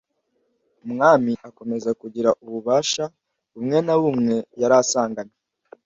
umwami akomeza kugira ububasha bumwe na bumwe yari asanganywe.